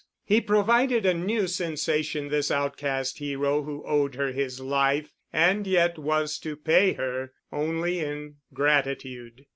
He provided a new sensation, this outcast hero who owed her his life and yet was to pay her only in gratitude.